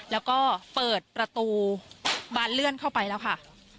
แล้วก็เปิดประตูบานเลื่อนเข้าไปแล้วค่ะ